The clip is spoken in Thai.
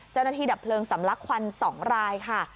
เจ้าหน้าที่ดับเพลิงสำลักควัน๒รายค่ะ